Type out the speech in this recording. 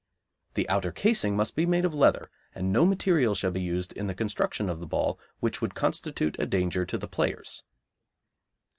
The outer casing must be of leather, and no material shall be used in the construction of the ball which would constitute a danger to the players.